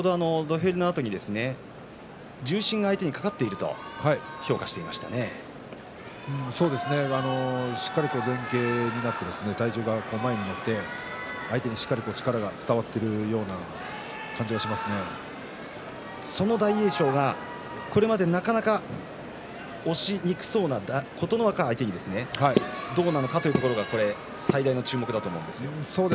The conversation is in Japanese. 先ほど、土俵入りのあとに重心が相手にかかっているとしっかり前傾になって体重が前にいってしっかり相手に力がその大栄翔がこれまでなかなか押しにくそうな琴ノ若相手にどうなのかというのが最大の注目だと思います。